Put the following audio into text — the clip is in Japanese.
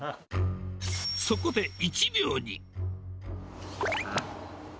そこで１秒に。